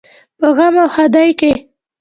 په غم او ښادۍ کې.